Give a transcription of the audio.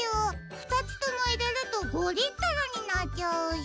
ふたつともいれると５リットルになっちゃうし。